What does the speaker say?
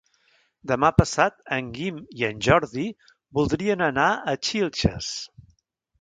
Demà passat en Guim i en Jordi voldrien anar a Xilxes.